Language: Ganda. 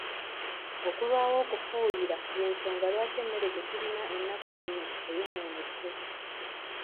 Okulwawo okufuuyira y'ensonga lwaki emmere gye tulina ennaku zino eyonoonese.